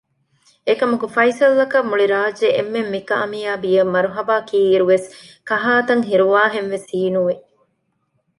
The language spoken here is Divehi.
އެކަމަކު ފައިސަލްއަކަށް މުޅިރާއްޖޭ އެންމެން މިކާމިޔާބީއަށް މަރުހަބާ ކީއިރުވެސް ކަހާތަން ހިރުވާހެންވެސް ހީނުވި